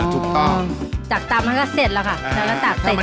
ถูกต้องตักตำมันก็เสร็จแล้วค่ะแล้วก็ตักเสร็จ